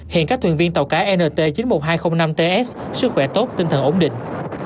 hiện các thuyền viên tàu cá nt chín mươi một nghìn hai trăm linh năm ts sức khỏe tốt tinh thần ổn định